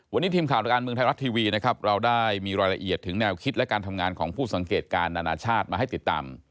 วันนี้ทีมข่าวทางการเมืองไทยรัฐทีวีนะครับเราได้มีรายละเอียดถึงแนวคิดและการทำงานของผู้สังเกตการณ์นานาชาติมาให้ติดตาม